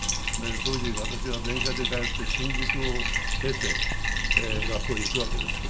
当時私は電車で通って新宿を経て学校へ行くわけですけど。